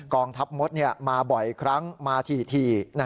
องทัพมดมาบ่อยครั้งมาถี่